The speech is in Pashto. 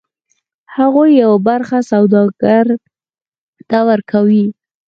هغوی یوه برخه سوداګر ته ورکوي